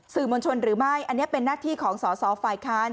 สื่อมณชนหรือไม่อันนี้เป็นนักที่ของสศฝ่ายค้าน